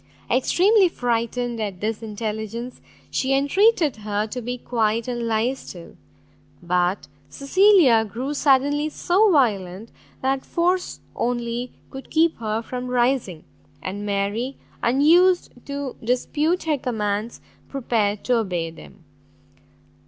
Extremely frightened at this intelligence, she entreated her to be quiet and lie still. But Cecilia grew suddenly so violent, that force only could keep her from rising; and Mary, unused to dispute her commands, prepared to obey them.